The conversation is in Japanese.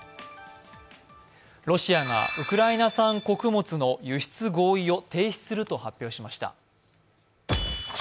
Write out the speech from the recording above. ロシアがウクライナ産穀物の輸出合意を停止すると発表しました。